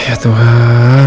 hai ya tuhan